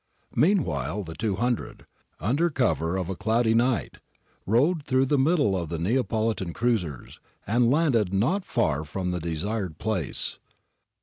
Meanwhile the 200, under cover of a cloudy night, rowed through the middle of the Neapolitan cruisers, and landed not far from the desired place.